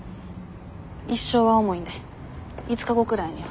一生は重いんで５日後くらいには。